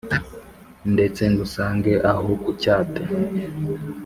Ndetse ngusange aho ku cyate